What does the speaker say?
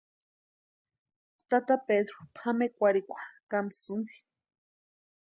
Tata Pedru pʼamekwarhikwa kámsïnti.